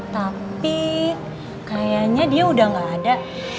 tapi kayaknya dia udah gak ada